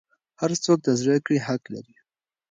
هر څوک د زده کړې حق لري.